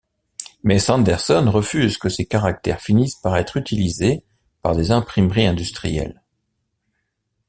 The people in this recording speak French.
Mais Sanderson refuse que ses caractères finissent par être utilisés par des imprimeries industrielles.